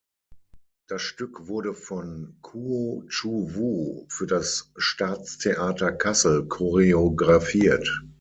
Das Stück wurde von Kuo-chu Wu für das Staatstheater Kassel choreografiert.